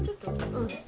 うん。